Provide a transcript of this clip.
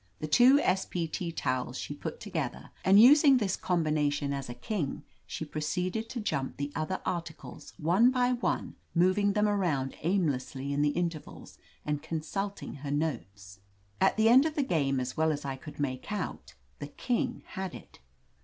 The two S. P. T. towels she put together and using this combination as a king, she proceeded to jump the other articles, one by one, moving them around aimlessly in the intervals and consulting her notes. At the end of the game, as well as I could make out, the king had it.